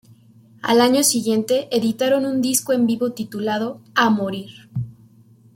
Al año siguiente editaron un disco en vivo titulado "A morir!!!".